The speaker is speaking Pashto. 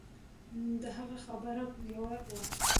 د هغه خبره يوه وه.